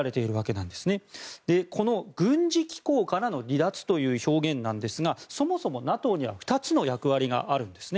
この軍事機構からの離脱という表現なんですがそもそもＮＡＴＯには２つの役割があるんです。